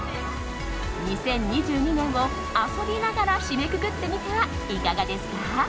２０２２年を遊びながら締めくくってみてはいかがですか。